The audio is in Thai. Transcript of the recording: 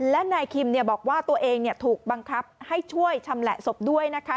และนายคิมบอกว่าตัวเองถูกบังคับให้ช่วยชำแหละศพด้วยนะคะ